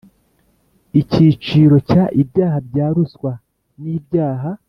Icyiciro cya Ibyaha bya ruswa n ibyaha